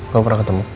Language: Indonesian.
gue pernah ketemu